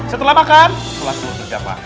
setelah makan selalu berjamaah